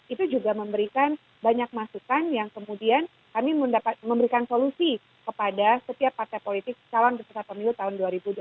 itu juga memberikan banyak masukan yang kemudian kami memberikan solusi kepada setiap partai politik calon peserta pemilu tahun dua ribu dua puluh